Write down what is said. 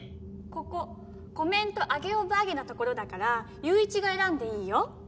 ここコメントアゲ・オブ・アゲなところだから友一が選んでいいよ。